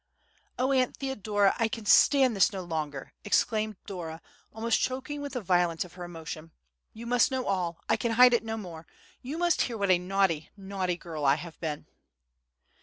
"Oh, Aunt Theodora, I can stand this no longer!" exclaimed Dora, almost choking with the violence of her emotion; "you must know all, I can hide it no more; you must hear what a naughty, naughty girl I have been!"